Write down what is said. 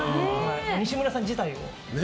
西村さん自体を。